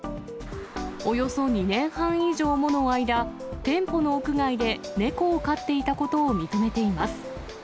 およそ２年半以上もの間、店舗の屋外で猫を飼っていたことを認めています。